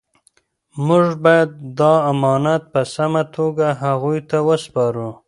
موږ باید دا امانت په سمه توګه هغوی ته وسپارو.